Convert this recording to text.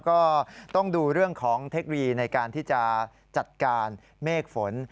ก็ต้องดูเรื่องของเทคโนโลยีในการที่จะจัดการเมฆฝน